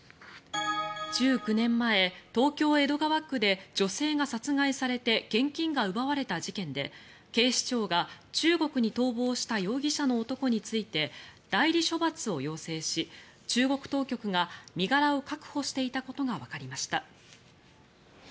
１９年前、東京・江戸川区で女性が殺害されて現金が奪われた事件で警視庁が中国に逃亡した容疑者の男について代理処罰を要請し中国当局が身柄を確保していたことがわかりました。